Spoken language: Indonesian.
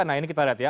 nah ini kita lihat ya